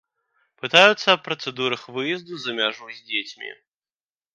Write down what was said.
Пытаюцца аб працэдурах выезду за мяжу з дзецьмі.